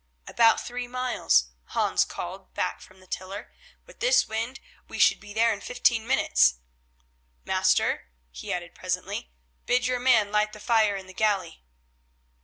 "About three miles," Hans called back from the tiller. "With this wind we should be there in fifteen minutes. Master," he added presently, "bid your man light the fire in the galley."